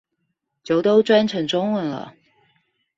就都轉成中文了